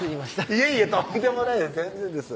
いえいえとんでもないです全然です